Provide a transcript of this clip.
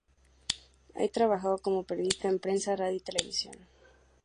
Ha trabajado como periodista en prensa, radio y televisión.